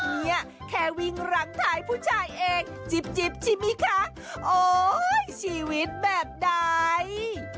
เนี่ยแค่วิ่งหลังถ่ายผู้ชายเองจิ๊บใช่ไหมคะโอ๊ยชีวิตแบบใด